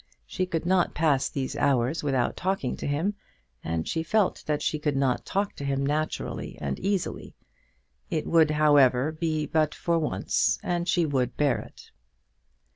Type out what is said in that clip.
She could not pass these hours without talking to him, and she felt that she could not talk to him naturally and easily. It would, however, be but for once, and she would bear it.